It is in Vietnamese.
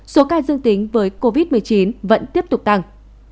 số ca dương tính với covid một mươi chín vẫn tiếp tục tăng